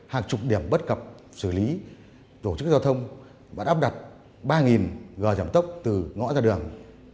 hàng chục điểm bất cập xử lý tổ chức giao thông và đắp đặt ba gờ giảm tốc từ ngõ ra đường